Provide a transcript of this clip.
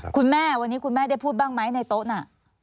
คุณแม่วันนี้คุณแม่ได้พูดบ้างไหมในโต๊ะน่ะ